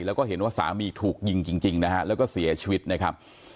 แล้วก็เห็นว่าสามีถูกยิงจริงนะฮะแล้วก็เสียชีวิตนะครับ